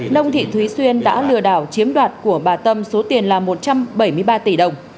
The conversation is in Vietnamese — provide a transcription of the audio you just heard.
nông thị thúy xuyên đã lừa đảo chiếm đoạt của bà tâm số tiền là một trăm bảy mươi ba tỷ đồng